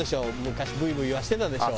昔ブイブイいわせてたでしょ。